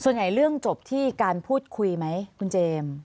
เรื่องจบที่การพูดคุยไหมคุณเจมส์